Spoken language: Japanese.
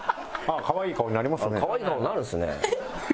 かわいい顔になるんですね。